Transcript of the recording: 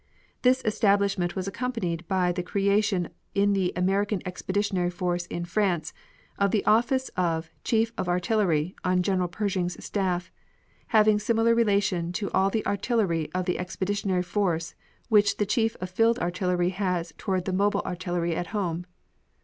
This establishment was accompanied by the creation in the American Expeditionary Force in France of the office of Chief of Artillery on General Pershing's staff, having similar relation to all the artillery of the Expeditionary Force which the Chief of Field Artillery has toward the mobile artillery at home.